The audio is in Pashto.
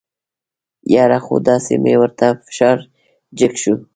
یاره خو داسې مې ورته فشار جګ شو.